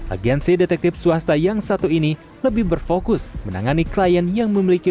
agensi detektif swasta yang satu ini lebih berfokus menangani klien yang memiliki